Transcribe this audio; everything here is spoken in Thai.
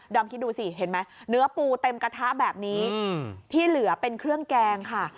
อมคิดดูสิเห็นไหมเนื้อปูเต็มกระทะแบบนี้ที่เหลือเป็นเครื่องแกงค่ะ